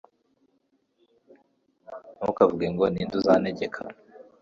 ntukavuge ngo ni nde uzantegeka